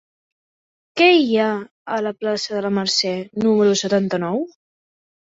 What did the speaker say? Què hi ha a la plaça de la Mercè número setanta-nou?